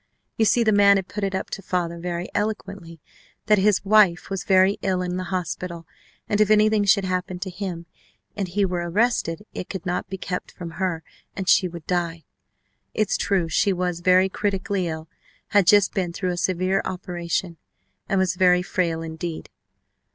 You see the man had put it up to father very eloquently that his wife was very ill in the hospital and, if anything should happen to him and he were arrested it could not be kept from her and she would die. It's true she was very critically ill, had just been through a severe operation, and was very frail indeed.